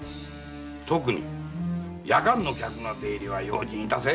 特に夜間の客の出入りは用心いたせ。